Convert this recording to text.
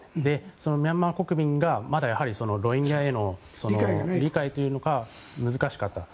そのミャンマー国民が、まだロヒンギャへの理解というのが難しかった。